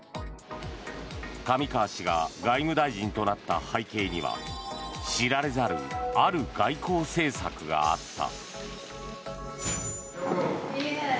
上川氏が外務大臣となった背景には知られざるある外交政策があった。